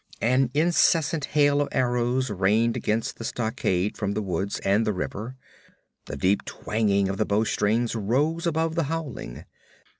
An incessant hail of arrows rained against the stockade from the woods and the river. The deep twanging of the bow strings rose above the howling.